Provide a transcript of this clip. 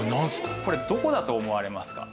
これどこだと思われますか？